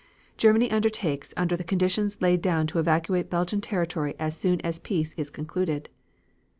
Germany undertakes under the conditions laid down to evacuate Belgian territory as soon as peace is concluded.